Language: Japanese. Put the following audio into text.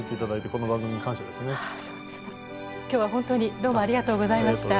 あそうですか。今日は本当にどうもありがとうございました。